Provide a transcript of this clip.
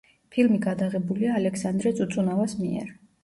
ფილმი გადაღებულია ალექსანდრე წუწუნავას მიერ.